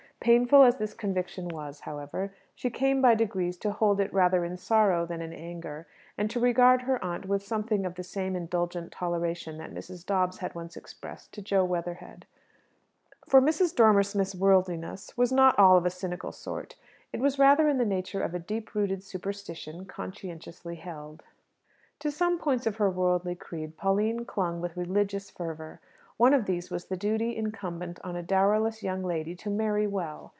Painful as this conviction was, however, she came by degrees to hold it rather in sorrow than in anger, and to regard her aunt with something of the same indulgent toleration that Mrs. Dobbs had once expressed to Jo Weatherhead. For Mrs. Dormer Smith's worldliness was not at all of a cynical sort. It was rather in the nature of a deep rooted superstition conscientiously held. To some points of her worldly creed Pauline clung with religious fervour. One of these was the duty incumbent on a dowerless young lady to marry well.